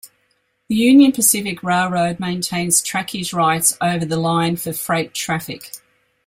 The Union Pacific Railroad maintains trackage rights over the line for freight traffic.